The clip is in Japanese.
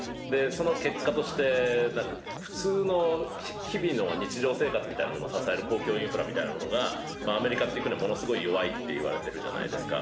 その結果として普通の日々の日常生活みたいなものを支える公共インフラみたいなものがアメリカっていう国はものすごい弱いっていわれてるじゃないですか。